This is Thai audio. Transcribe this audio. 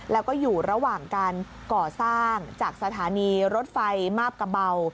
แล้วก็อยู่ระหว่างการก่อสร้างจากสถานีรถไฟมาบกระเบา